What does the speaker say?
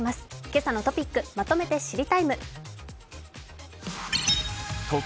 「けさのトピックまとめて知りＴＩＭＥ，」。